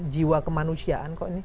jiwa kemanusiaan kok